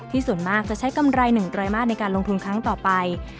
ที่ส่วนมากจะใช้คำไรหนึ่งได้มากในการลงทุนครั้งต่อไป